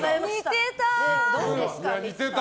似てた！